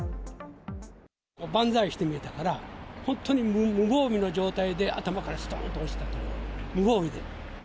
ばんざいして見えたから、本当に無防備の状態で頭からすとーんと落ちたと、無防備で。